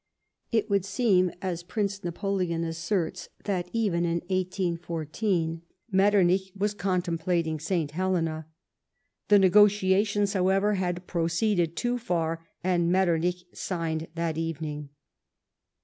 127 It would seem, as Prince Napoleon asserts, that, even in 1814, Metternich was contemplating St. Helena. The negotiations, however, had proceeded too far, and Metter nich siofned that evening.